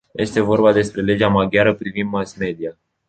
Este vorba despre legea maghiară privind mass-media.